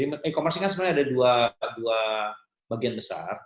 e commerce kan sebenarnya ada dua bagian besar